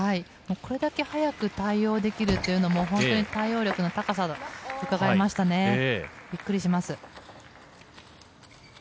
これだけ早く対応できるというのも本当に対応力の高さがうかがえましたびっくりします。